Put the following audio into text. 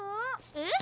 えっ？